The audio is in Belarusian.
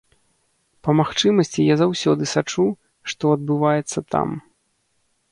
Па магчымасці я заўсёды сачу, што адбываецца там.